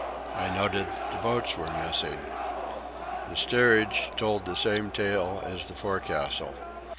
I noted that the boats were missing. The steerage told the same tale as the forecastle.